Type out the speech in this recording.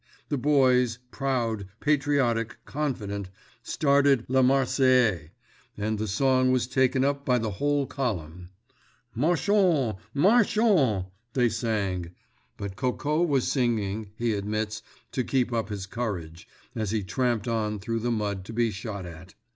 The boys, proud, patriotic, confident, started "La Marseillaise" and the song was taken up by the whole column—"Marchons! Marchons!" they sang—but Coco was singing, he admits, to keep up his courage, as he tramped on through the mud to be shot at.